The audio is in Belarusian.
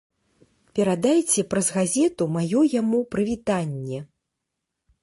Перадайце праз газету маё яму прывітанне!